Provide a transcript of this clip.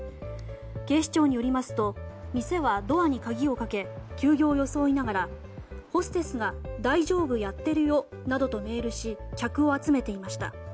警視庁によりますと店はドアに鍵をかけ休業を装いながら、ホステスが大丈夫、やってるよなどとメールし客を集めていました。